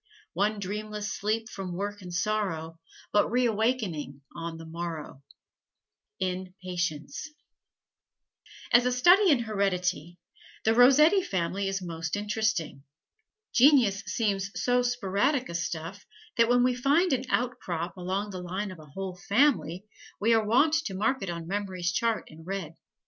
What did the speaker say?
One dreamless sleep from work and sorrow, But reawakening on the morrow. In Patience [Illustration: CHRISTINA ROSSETTI] As a study in heredity, the Rossetti family is most interesting. Genius seems so sporadic a stuff that when we find an outcrop along the line of a whole family we are wont to mark it on memory's chart in red.